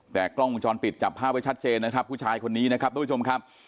แต่กล้องวงจรปิดจับภาพไว้ชัดเจนนะครับผู้ชายคนนี้นะครับทุกผู้ชมครับ